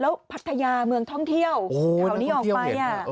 แล้วพัทยาเมืองท่องเที่ยวแถวนี้ออกไป